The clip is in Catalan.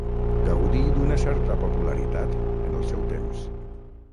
Gaudí d'una certa popularitat en el seu temps.